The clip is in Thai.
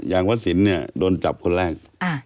อย่างวัดศิลป์เนี่ยโดนจับคนแรก